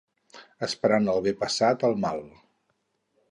Esperant el bé passem el mal.